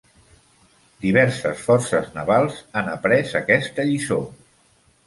Diversos forces navals han après aquesta lliçó.